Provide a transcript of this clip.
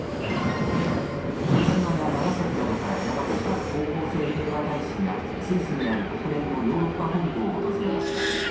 広島や長崎などから選ばれた高校生平和大使がスイスにある国連のヨーロッパ本部を訪れました。